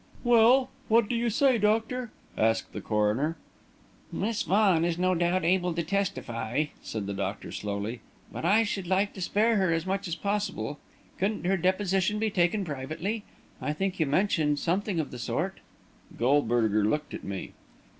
"Well, what do you say, doctor?" asked the coroner. "Miss Vaughan is no doubt able to testify," said the doctor, slowly, "but I should like to spare her as much as possible. Couldn't her deposition be taken privately? I think you mentioned something of the sort." Goldberger looked at me.